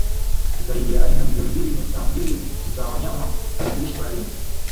Zaidi ya aina million mbili nukta mbilu za wanyama huishi baharini